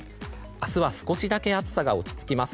明日は少しだけ暑さが落ち着きます。